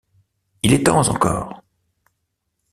Il est temps encore!